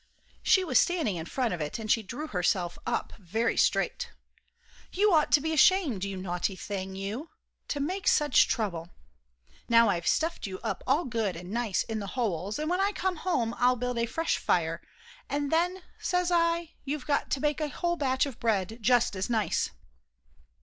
She was standing in front of it, and she drew herself up very straight. "You ought to be ashamed, you naughty thing, you! to make such trouble. Now I've stuffed you up all good and nice in the holes, and when I come home I'll build a fresh fire, and then, says I, you've got to bake a whole batch of bread just as nice!"